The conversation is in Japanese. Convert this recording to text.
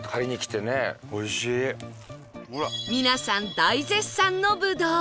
皆さん大絶賛のぶどう